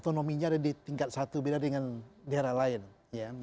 dan kominnya ada di tingkat satu beda dengan daerah lain